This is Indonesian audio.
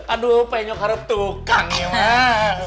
aduh penyok harap tukang ya emang